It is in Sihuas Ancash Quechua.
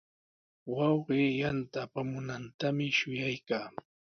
Wawqii yanta apamunantami shuyaykaa.